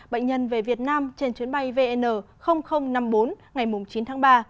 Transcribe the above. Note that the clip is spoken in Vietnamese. bệnh nhân về việt nam trên chuyến bay vn năm mươi bốn ngày chín tháng ba